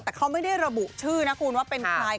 แต่เขาไม่ได้ระบุชื่อนะคุณว่าเป็นใคร